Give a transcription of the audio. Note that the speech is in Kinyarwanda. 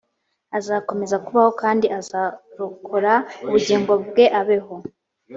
azakomeza kubaho kandi azarokora ubugingo bwe abeho